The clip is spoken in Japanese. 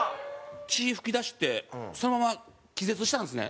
血噴き出してそのまま気絶したんですね。